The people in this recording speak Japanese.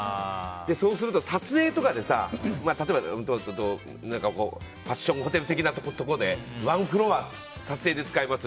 そうすると撮影とかで例えば例えばファッションホテル的なところで、ワンフロア撮影で使います。